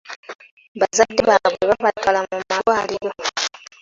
Bazadde baabwe babaatwala mu malwaliro.